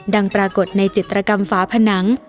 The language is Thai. ปรากฏในจิตรกรรมฝาผนัง